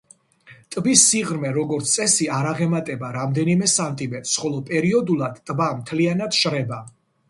ტბის სიღრმე, როგორც წესი, არ აღემატება რამდენიმე სანტიმეტრს, ხოლო პერიოდულად ტბა მთლიანად შრება.